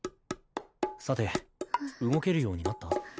さて動けるようになった？